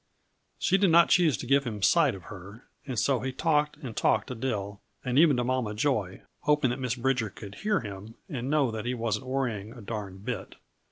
She did not choose to give him sight of her, and so he talked and talked to Dill, and even to Mama Joy, hoping that Miss Bridger could hear him and know that he wasn't worrying a darned bit.